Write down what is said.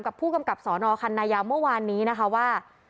กับผู้กำกับนพฤศนียศนองค์คันนายามเมื่อวานนี้นะคะว่า